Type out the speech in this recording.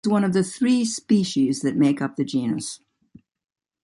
It is one of the three species that make up the genus.